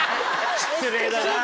失礼だな。